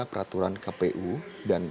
peraturan kpu dan